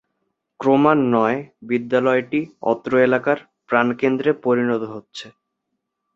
ক্রমান্বয়ে বিদ্যালয়টি অত্র এলাকার প্রাণকেন্দ্রে পরিণত হচ্ছে।